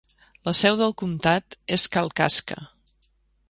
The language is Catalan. La seu del comtat és Kalkaska.